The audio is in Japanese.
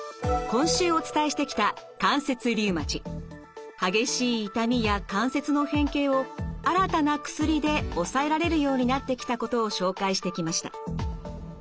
今週お伝えしてきた激しい痛みや関節の変形を新たな薬で抑えられるようになってきたことを紹介してきました。